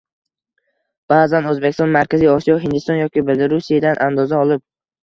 Baʼzan Oʻzbekiston, Markaziy Osiyo Hindiston yoki Belorusiyadan andoza olib